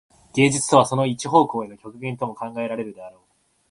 芸術とはその一方向への極限とも考えられるであろう。